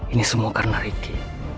ini semua karena ricky